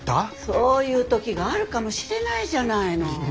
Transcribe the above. そういう時があるかもしれないじゃないの。